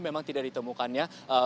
memang tidak ditemukannya